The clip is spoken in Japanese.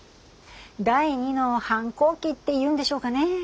第二の反抗期っていうんでしょうかね。